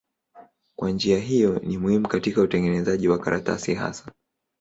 Kwa njia hiyo ni muhimu katika utengenezaji wa karatasi hasa.